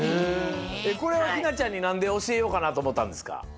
これはひなちゃんになんでおしえようかなとおもったんですか？